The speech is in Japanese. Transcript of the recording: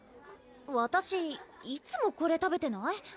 わたしいつもこれ食べてない？